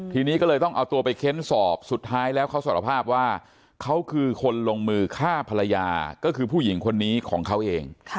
ทีนี้ก็เลยต้องเอาตัวไปเค้นสอบสุดท้ายแล้วเขาสารภาพว่าเขาคือคนลงมือฆ่าภรรยาก็คือผู้หญิงคนนี้ของเขาเอง